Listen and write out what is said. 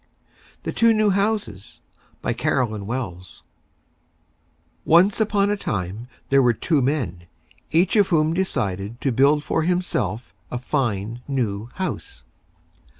THE TWO NEW HOUSES BY CAROLYN WELLS Once on a Time, there were Two Men, each of whom decided to build for himself a Fine, New House.